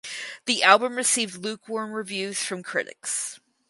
The album received lukewarm reviews from critics.